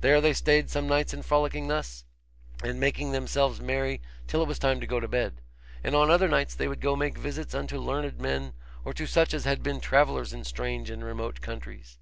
There they stayed some nights in frolicking thus, and making themselves merry till it was time to go to bed; and on other nights they would go make visits unto learned men, or to such as had been travellers in strange and remote countries.